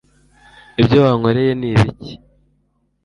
ibyo wankoreye ni ibiki